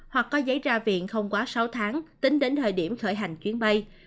hoặc có giấy ra viện không quá sáu tháng tính đến thời điểm khởi hành chuyến bay